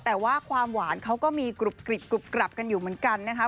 แต่ว่าความหวานเขาก็มีกรุบกริบกรุบกรับกันอยู่เหมือนกันนะคะ